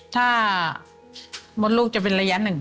ถ้าหมดลูกจะเป็นระยะ๑